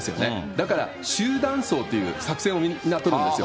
だから集団走っていう作戦をみんな取るんですよ。